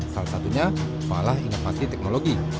salah satunya falah inovasi teknologi